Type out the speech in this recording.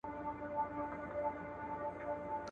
په کومه دوره کي د يوسف سورت نازل سوی دی؟